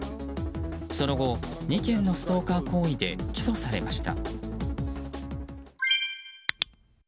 その後、２件のストーカー行為で起訴されました。